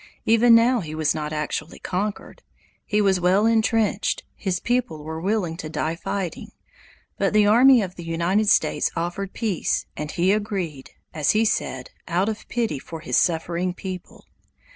Even now he was not actually conquered. He was well entrenched; his people were willing to die fighting; but the army of the United States offered peace and he agreed, as he said, out of pity for his suffering people.